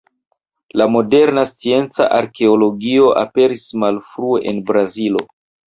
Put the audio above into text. La moderna scienca arkeologio aperis malfrue en Brazilo.